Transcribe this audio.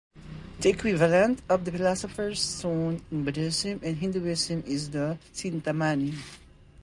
The equivalent of the philosopher's stone in Buddhism and Hinduism is the "Cintamani".